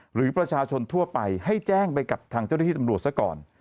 หรือประชาชนทั่วไปให้แจ้งไปกับทางเจ้าหน้าที่ตำรวจซะก่อน